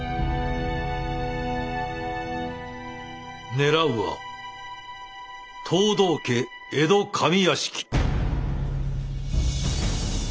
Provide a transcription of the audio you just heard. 狙うは藤堂家江戸上屋敷。